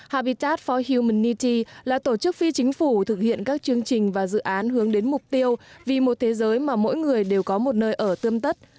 havita for humanity là tổ chức phi chính phủ thực hiện các chương trình và dự án hướng đến mục tiêu vì một thế giới mà mỗi người đều có một nơi ở tươm tất